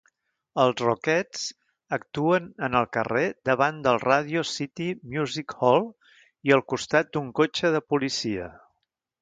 Els Rockettes actuen en el carrer davant del Radio City Music Hall i al costat d'un cotxe de policia